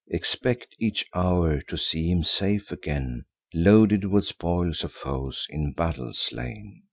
Expect each hour to see him safe again, Loaded with spoils of foes in battle slain.